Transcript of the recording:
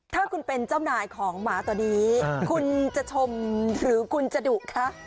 ถ้าคุณเป็นเจ้านายของหมาตัวนี้คุณจะชมหรือคุณจะดุคะ